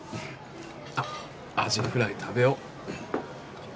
あっアジフライ食べよう。